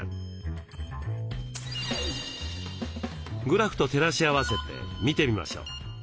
グラフと照らし合わせて見てみましょう。